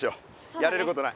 やれることない。